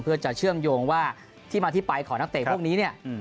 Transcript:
เพื่อจะเชื่อมโยงว่าที่มาที่ไปของนักเตะพวกนี้เนี่ย